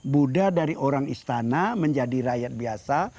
buddha dari orang istana menjadi rakyat biasa